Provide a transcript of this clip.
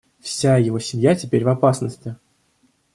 Вся его семья теперь в опасности.